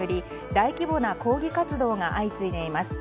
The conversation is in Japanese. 大規模な抗議活動が相次いでいます。